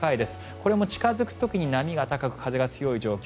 これも近付く時に、波が高く風が強い状況。